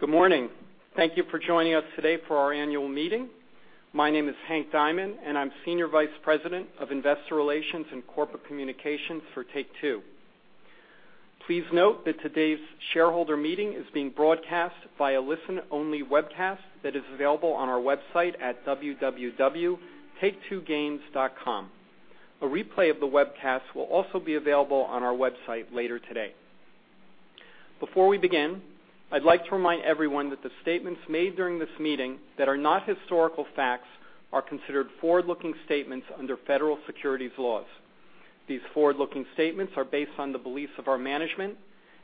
Good morning. Thank you for joining us today for our annual meeting. My name is Hank Diamond, and I'm Senior Vice President of Investor Relations and Corporate Communications for Take-Two. Please note that today's shareholder meeting is being broadcast by a listen-only webcast that is available on our website at www.taketwogames.com. A replay of the webcast will also be available on our website later today. Before we begin, I'd like to remind everyone that the statements made during this meeting that are not historical facts are considered forward-looking statements under federal securities laws. These forward-looking statements are based on the beliefs of our management,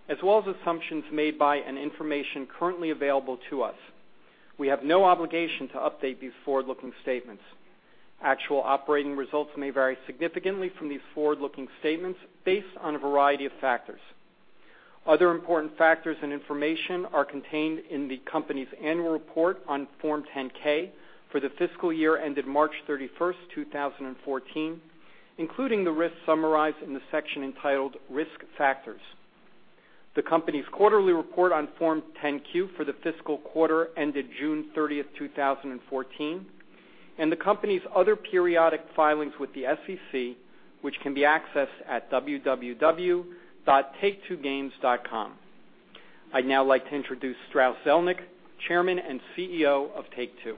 as well as assumptions made by and information currently available to us. We have no obligation to update these forward-looking statements. Actual operating results may vary significantly from these forward-looking statements based on a variety of factors. Other important factors and information are contained in the company's annual report on Form 10-K for the fiscal year ended March 31st, 2014, including the risks summarized in the section entitled Risk Factors, the company's quarterly report on Form 10-Q for the fiscal quarter ended June 30th, 2014, and the company's other periodic filings with the SEC, which can be accessed at www.taketwogames.com. I'd now like to introduce Strauss Zelnick, Chairman and CEO of Take-Two.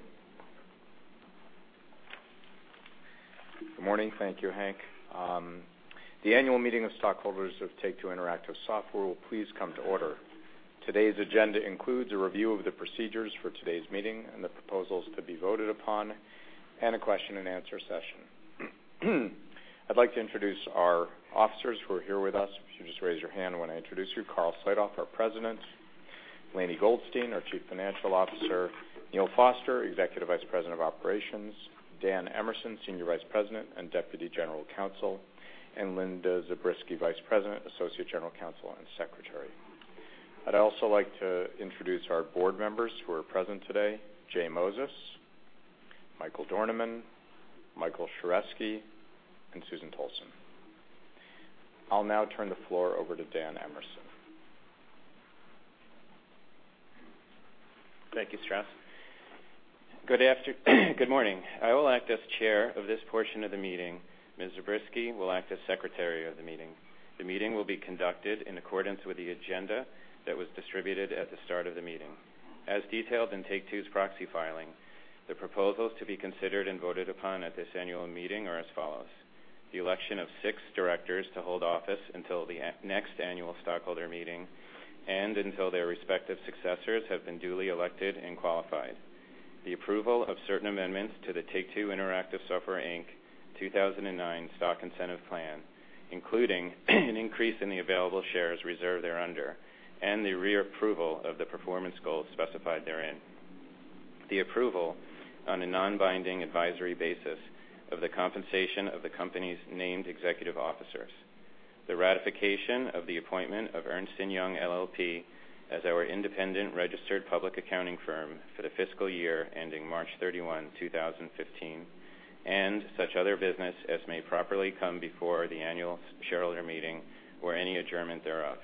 Good morning. Thank you, Hank. The annual meeting of stockholders of Take-Two Interactive Software will please come to order. Today's agenda includes a review of the procedures for today's meeting and the proposals to be voted upon, a question and answer session. I'd like to introduce our officers who are here with us. If you just raise your hand when I introduce you. Karl Slatoff, our President; Lainie Goldstein, our Chief Financial Officer; Neil Foster, Executive Vice President of Operations; Dan Emerson, Senior Vice President and Deputy General Counsel, and Linda Zabriskie, Vice President, Associate General Counsel, and Secretary. I'd also like to introduce our board members who are present today, Jay Moses, Michael Dornemann, Michael Sheresky, and Susan Tolson. I'll now turn the floor over to Dan Emerson. Thank you, Strauss. Good morning. I will act as chair of this portion of the meeting. Ms. Zabriskie will act as secretary of the meeting. The meeting will be conducted in accordance with the agenda that was distributed at the start of the meeting. As detailed in Take-Two's proxy filing, the proposals to be considered and voted upon at this annual meeting are as follows: the election of six directors to hold office until the next annual stockholder meeting and until their respective successors have been duly elected and qualified; the approval of certain amendments to the Take-Two Interactive Software, Inc. 2009 Stock Incentive Plan, including an increase in the available shares reserved thereunder, and the reapproval of the performance goals specified therein; the approval, on a non-binding, advisory basis, of the compensation of the company's named executive officers; the ratification of the appointment of Ernst & Young LLP as our independent registered public accounting firm for the fiscal year ending March 31, 2015; and such other business as may properly come before the annual shareholder meeting or any adjournment thereof.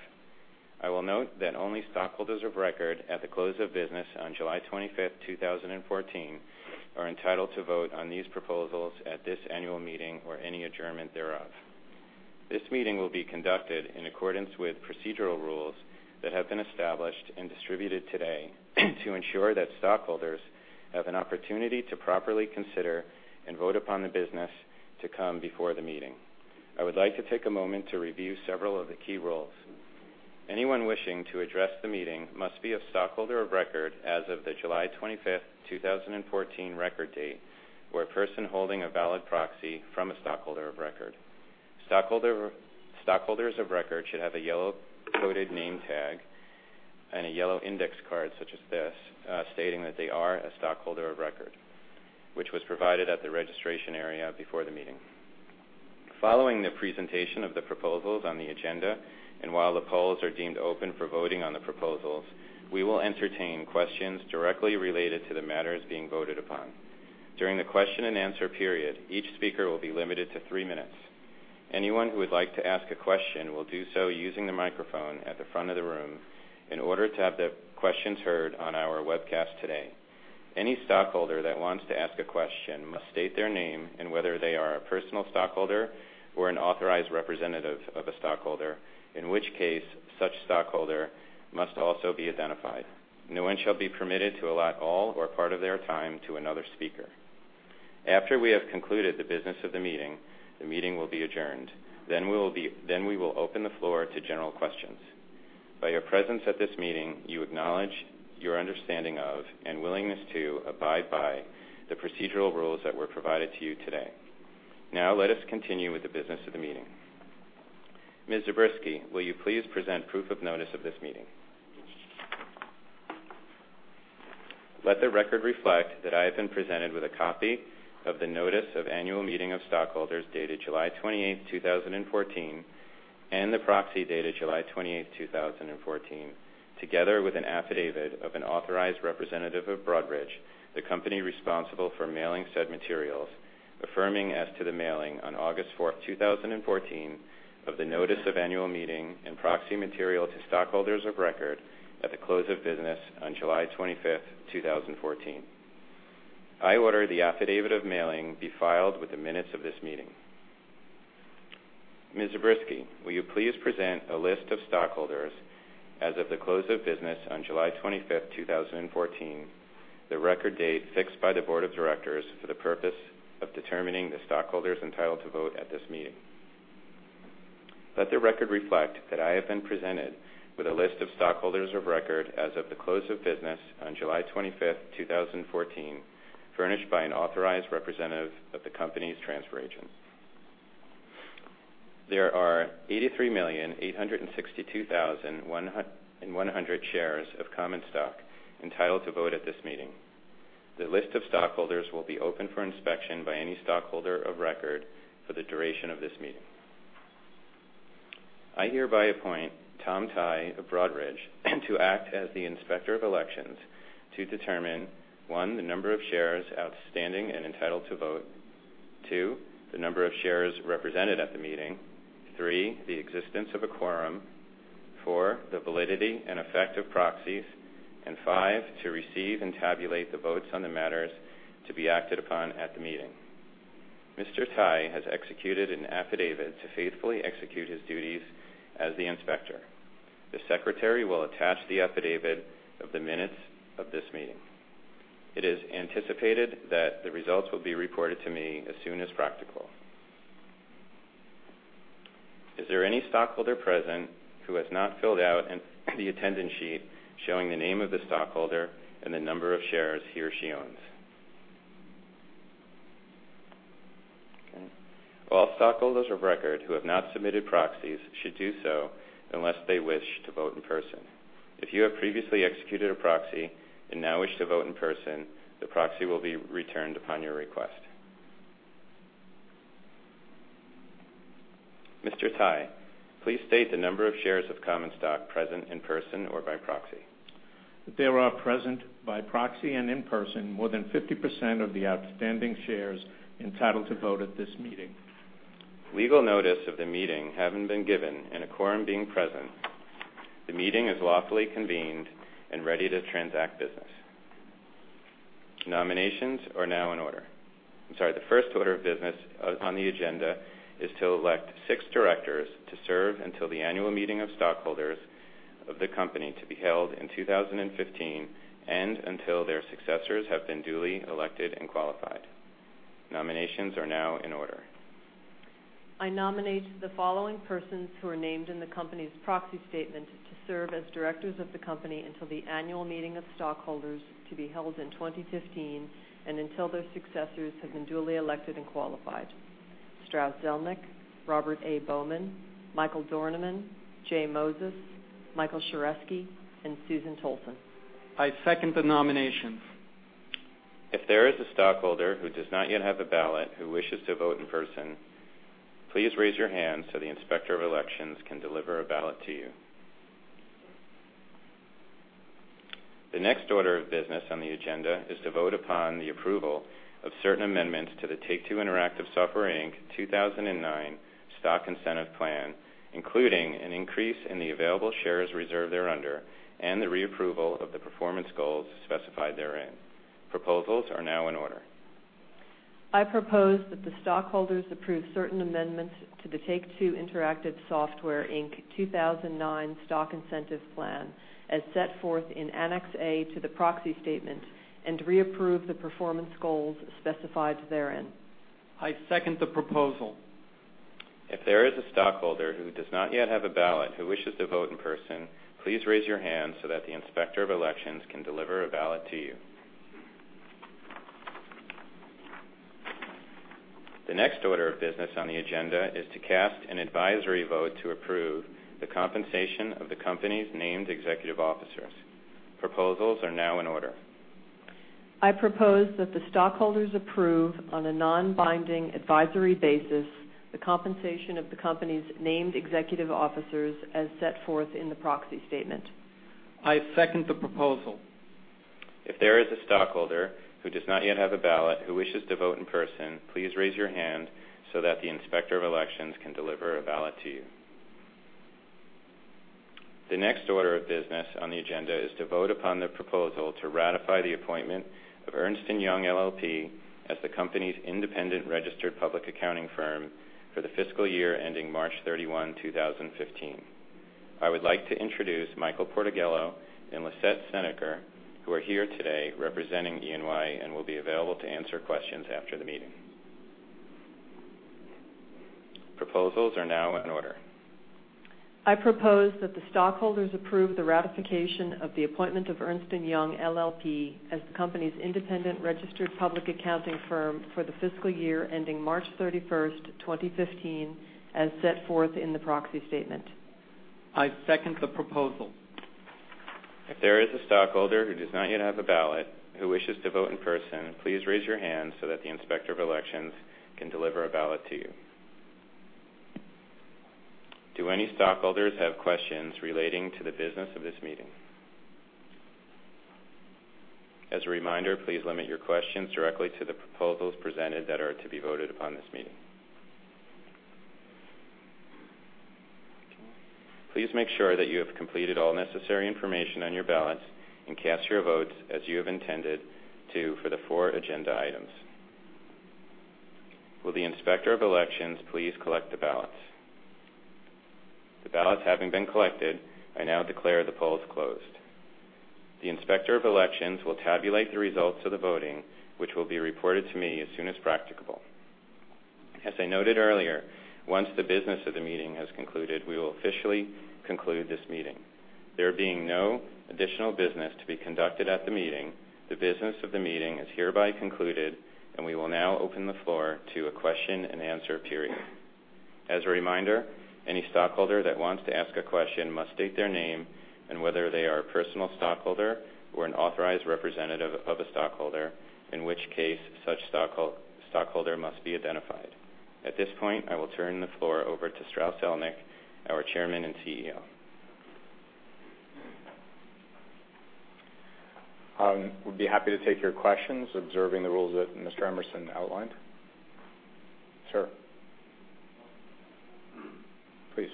I will note that only stockholders of record at the close of business on July 25th, 2014 are entitled to vote on these proposals at this annual meeting or any adjournment thereof. This meeting will be conducted in accordance with procedural rules that have been established and distributed today to ensure that stockholders have an opportunity to properly consider and vote upon the business to come before the meeting. I would like to take a moment to review several of the key rules. Anyone wishing to address the meeting must be a stockholder of record as of the July 25th, 2014 record date or a person holding a valid proxy from a stockholder of record. Stockholders of record should have a yellow-coded name tag and a yellow index card such as this stating that they are a stockholder of record, which was provided at the registration area before the meeting. Following the presentation of the proposals on the agenda, and while the polls are deemed open for voting on the proposals, we will entertain questions directly related to the matters being voted upon. During the question and answer period, each speaker will be limited to three minutes. Anyone who would like to ask a question will do so using the microphone at the front of the room in order to have their questions heard on our webcast today. Any stockholder that wants to ask a question must state their name and whether they are a personal stockholder or an authorized representative of a stockholder, in which case such stockholder must also be identified. No one shall be permitted to allot all or part of their time to another speaker. After we have concluded the business of the meeting, the meeting will be adjourned. We will open the floor to general questions. Let us continue with the business of the meeting. Ms. Zabriskie, will you please present proof of notice of this meeting? Let the record reflect that I have been presented with a copy of the Notice of Annual Meeting of Stockholders dated July 28th, 2014, and the proxy dated July 28th, 2014, together with an affidavit of an authorized representative of Broadridge, the company responsible for mailing said materials, affirming as to the mailing on August 4th, 2014, of the notice of annual meeting and proxy material to stockholders of record at the close of business on July 25th, 2014. I order the affidavit of mailing be filed with the minutes of this meeting. Ms. Zabriskie, will you please present a list of stockholders as of the close of business on July 25th, 2014, the record date fixed by the board of directors for the purpose of determining the stockholders entitled to vote at this meeting? Let the record reflect that I have been presented with a list of stockholders of record as of the close of business on July 25th, 2014, furnished by an authorized representative of the company's transfer agent. There are 83,862,100 shares of common stock entitled to vote at this meeting. The list of stockholders will be open for inspection by any stockholder of record for the duration of this meeting. I hereby appoint Tom Tighe of Broadridge to act as the Inspector of Elections to determine, one, the number of shares outstanding and entitled to vote, two, the number of shares represented at the meeting, three, the existence of a quorum, four, the validity and effect of proxies, and five, to receive and tabulate the votes on the matters to be acted upon at the meeting. Mr. Tighe has executed an affidavit to faithfully execute his duties as the Inspector. The secretary will attach the affidavit of the minutes of this meeting. It is anticipated that the results will be reported to me as soon as practical. Is there any stockholder present who has not filled out the attendance sheet showing the name of the stockholder and the number of shares he or she owns? Okay. All stockholders of record who have not submitted proxies should do so unless they wish to vote in person. If you have previously executed a proxy and now wish to vote in person, the proxy will be returned upon your request. Mr. Tighe, please state the number of shares of common stock present in person or by proxy. There are present by proxy and in person, more than 50% of the outstanding shares entitled to vote at this meeting. Legal notice of the meeting having been given and a quorum being present, the meeting is lawfully convened and ready to transact business. Nominations are now in order. I'm sorry. The first order of business on the agenda is to elect six directors to serve until the annual meeting of stockholders of the company to be held in 2015 and until their successors have been duly elected and qualified. Nominations are now in order. I nominate the following persons who are named in the company's proxy statement to serve as directors of the company until the annual meeting of stockholders to be held in 2015 and until their successors have been duly elected and qualified: Strauss Zelnick, Robert A. Bowman, Michael Dornemann, J Moses, Michael Sheresky, and Susan Tolson. I second the nominations. If there is a stockholder who does not yet have a ballot who wishes to vote in person, please raise your hand so the Inspector of Elections can deliver a ballot to you. The next order of business on the agenda is to vote upon the approval of certain amendments to the Take-Two Interactive Software, Inc. 2009 Stock Incentive Plan, including an increase in the available shares reserved thereunder, and the reapproval of the performance goals specified therein. Proposals are now in order. I propose that the stockholders approve certain amendments to the Take-Two Interactive Software, Inc. 2009 Stock Incentive Plan as set forth in Annex A to the proxy statement and reapprove the performance goals specified therein. I second the proposal. If there is a stockholder who does not yet have a ballot who wishes to vote in person, please raise your hand so that the Inspector of Elections can deliver a ballot to you. The next order of business on the agenda is to cast an advisory vote to approve the compensation of the company's named executive officers. Proposals are now in order. I propose that the stockholders approve on a non-binding advisory basis the compensation of the company's named executive officers as set forth in the proxy statement. I second the proposal. If there is a stockholder who does not yet have a ballot who wishes to vote in person, please raise your hand so that the Inspector of Elections can deliver a ballot to you. The next order of business on the agenda is to vote upon the proposal to ratify the appointment of Ernst & Young LLP as the company's independent registered public accounting firm for the fiscal year ending March 31, 2015. I would like to introduce Michael Portegello and Lisette Seneker, who are here today representing EY and will be available to answer questions after the meeting. Proposals are now in order. I propose that the stockholders approve the ratification of the appointment of Ernst & Young LLP as the company's independent registered public accounting firm for the fiscal year ending March 31st, 2015, as set forth in the proxy statement. I second the proposal. If there is a stockholder who does not yet have a ballot who wishes to vote in person, please raise your hand so that the Inspector of Elections can deliver a ballot to you. Do any stockholders have questions relating to the business of this meeting? As a reminder, please limit your questions directly to the proposals presented that are to be voted upon this meeting. Please make sure that you have completed all necessary information on your ballots and cast your votes as you have intended to for the four agenda items. Will the Inspector of Elections please collect the ballots? The ballots having been collected, I now declare the polls closed. The Inspector of Elections will tabulate the results of the voting, which will be reported to me as soon as practicable. As I noted earlier, once the business of the meeting has concluded, we will officially conclude this meeting. There being no additional business to be conducted at the meeting, the business of the meeting is hereby concluded, and we will now open the floor to a question-and-answer period. As a reminder, any stockholder that wants to ask a question must state their name and whether they are a personal stockholder or an authorized representative of a stockholder, in which case such stockholder must be identified. At this point, I will turn the floor over to Strauss Zelnick, our Chairman and CEO. We will be happy to take your questions observing the rules that Mr. Emerson outlined. Sir. Please.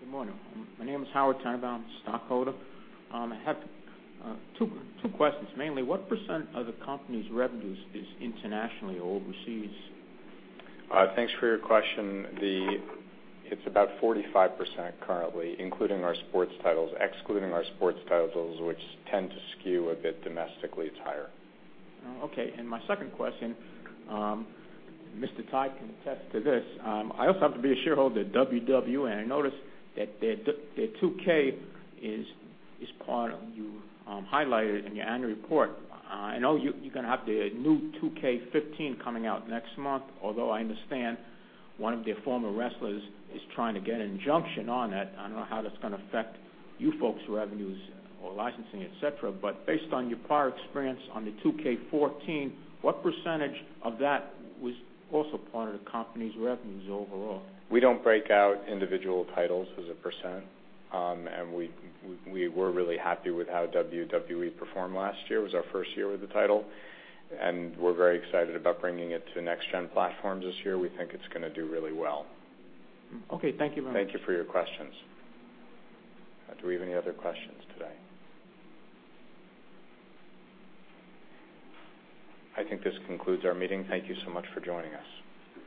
Good morning. My name is Howard Tyner. I am a stockholder. I have two questions. Mainly, what % of the company's revenues is internationally or overseas? Thanks for your question. It is about 45% currently, including our sports titles. Excluding our sports titles, which tend to skew a bit domestically, it is higher. Okay, my second question, Mr. Todd can attest to this. I also happen to be a shareholder at WWE, and I noticed that their 2K is part of You highlighted it in your annual report. I know you're going to have the new 2K15 coming out next month, although I understand one of their former wrestlers is trying to get an injunction on that. I don't know how that's going to affect you folks' revenues or licensing, et cetera. Based on your prior experience on the 2K14, what % of that was also part of the company's revenues overall? We don't break out individual titles as a %, we were really happy with how WWE performed last year. It was our first year with the title, we're very excited about bringing it to next-gen platforms this year. We think it's going to do really well. Okay. Thank you very much. Thank you for your questions. Do we have any other questions today? I think this concludes our meeting. Thank you so much for joining us.